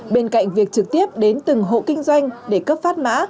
bên cạnh việc trực tiếp đến từng hộ kinh doanh để cấp phát mã